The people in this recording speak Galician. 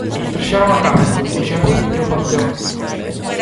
Rastrexaron a casa, o xardín e o panteón.